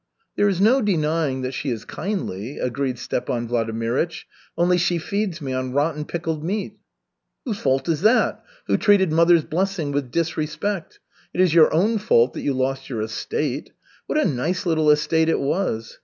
"There is no denying that she is kindly," agreed Stepan Vladimirych. "Only she feeds me on rotten pickled meat." "Whose fault is it? Who treated mother's blessing with disrespect? It is your own fault that you lost your estate. What a nice little estate it was.